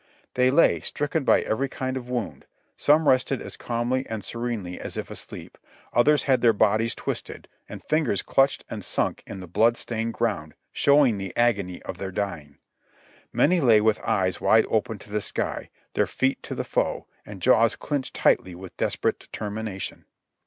They lay, stricken by every kind of wound. Some rested as calmly and serenely as if asleep ; others had their bodies twisted, and fingers clutched and sunk in the blood stained ground, showing the agony of their dying. Many lay with eyes wide open to the sky, their feet to the foe, and jaws clenched tightly with desperate determination.